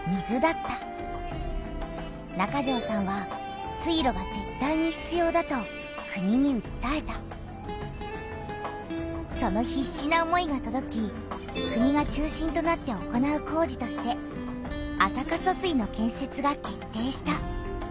中條さんは水路がぜったいにひつようだとそのひっしな思いがとどき国が中心となって行う工事として安積疏水の建設が決定した。